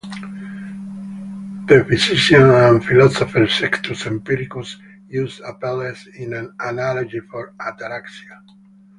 The physician and philosopher Sextus Empiricus used Apelles in an analogy for Ataraxia.